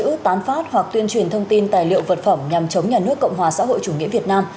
thư tán phát hoặc tuyên truyền thông tin tài liệu vật phẩm nhằm chống nhà nước cộng hòa xã hội chủ nghĩa việt nam